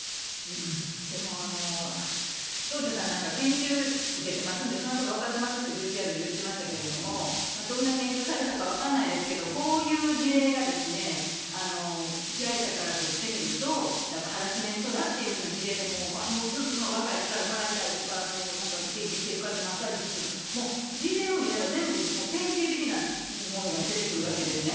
でも、町長さん、なんか研修受けてますんで、そんなこと分かってますってＶＴＲで言ってましたけれども、どんな研修されたか分からないですけど、こういう事例が被害者からとってみると、やっぱハラスメントだっていう事例で、若い力をもらいたいとか、元気してるかってマッサージするとか、もう、事例を見れば全部、典型的なものが出てくるわけですね。